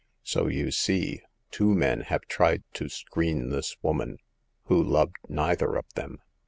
So, you see, two men have tried to screen this woman, who loved neither of them."